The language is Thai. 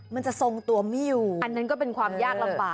มันจะทรงตัวไม่อยู่